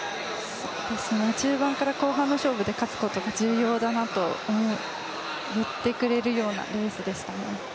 中盤から後半の勝負で勝つことが重要だということを言ってくれるようなレースでしたね。